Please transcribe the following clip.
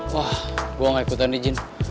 wah gue gak ikutan izin